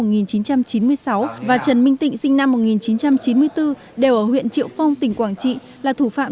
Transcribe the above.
năm một nghìn chín trăm chín mươi sáu và trần minh tịnh sinh năm một nghìn chín trăm chín mươi bốn đều ở huyện triệu phong tỉnh quảng trị là thủ phạm